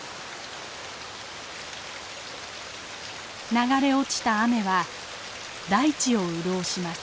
流れ落ちた雨は大地を潤します。